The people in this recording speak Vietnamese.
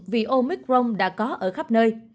vì omicron đã có ở khắp nơi